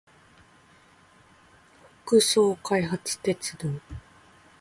北総開発鉄道